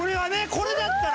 これだったら。